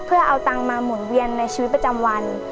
เพื่อเอาตังค์มาหมุนเวียนในชีวิตประจำวัน